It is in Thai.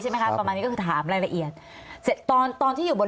ไหมคะประมาณนี้ก็คือถามรายละเอียดเสร็จตอนตอนที่อยู่บน